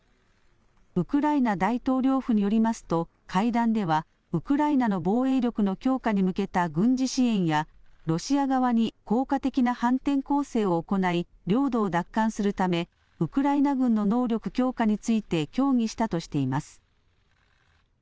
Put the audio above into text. ウクライナ大統領府によりますと会談ではウクライナの防衛力の強化に向けた軍事支援やロシア側に効果的な反転攻勢を行い領土を奪還するためウクライナ軍の能力強化について協議したとしています。